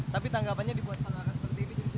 tapi tanggapannya dibuat satu arah seperti ini